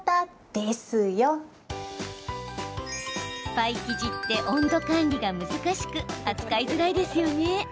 パイ生地って温度管理が難しく扱いづらいですよね。